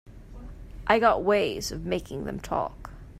I got ways of making them talk.